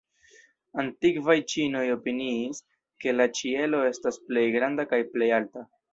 Antikvaj ĉinoj opiniis, ke la ĉielo estas plej granda kaj plej alta.